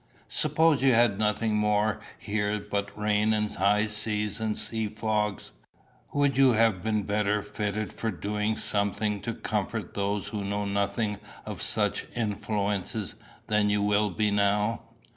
Suppose you had had nothing here but rain and high winds and sea fogs, would you have been better fitted for doing something to comfort those who know nothing of such influences than you will be now?